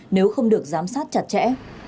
nếu không được giám sát chặt chẽ